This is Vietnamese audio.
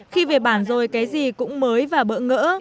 khi về bản rồi cái gì cũng mới và bỡ ngỡ